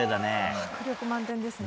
迫力満点ですね。